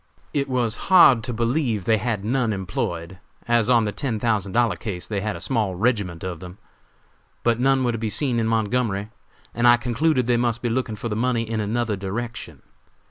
It was hard to believe they had none employed, as on the ten thousand dollar case they had a small regiment of them; but none were to be seen in Montgomery, and I concluded they must be looking for the money in another direction.